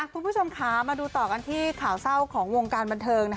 คุณผู้ชมค่ะมาดูต่อกันที่ข่าวเศร้าของวงการบันเทิง